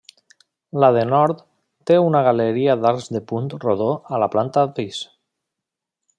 La de nord té una galeria d'arcs de punt rodó a la planta pis.